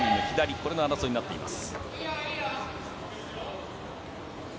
これの争いになっています。